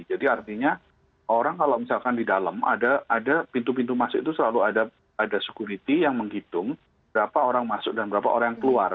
jadi artinya orang kalau misalkan di dalam ada pintu pintu masuk itu selalu ada security yang menghitung berapa orang masuk dan berapa orang keluar